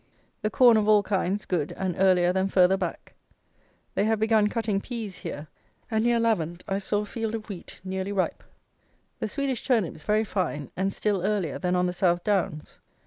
The corn of all kinds good and earlier than further back. They have begun cutting peas here, and near Lavant I saw a field of wheat nearly ripe. The Swedish turnips very fine, and still earlier than on the South Downs.